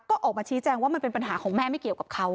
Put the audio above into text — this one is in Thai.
ก็ออกมาชี้แจงว่ามันเป็นปัญหาของแม่ไม่เกี่ยวกับเขา